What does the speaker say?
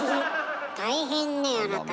大変ねえあなた。